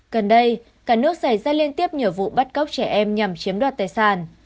gần đây cả nước xảy ra liên tiếp nhiều vụ bắt cóc trẻ em nhằm chiếm đoạt tài sản